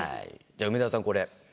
じゃあ梅沢さんこれ。